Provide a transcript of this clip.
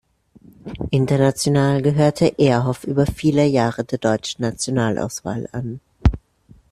International gehörte Ehrhoff über viele Jahre der deutschen Nationalauswahl an.